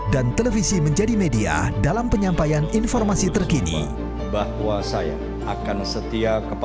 dan televisi menjadi media dalam penyampaian informasi terkini